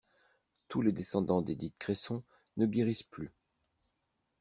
Tous les descendants d'Edith Cresson ne guérissent plus.